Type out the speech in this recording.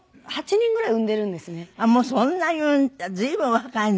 あっもうそんなに随分お若いのにね。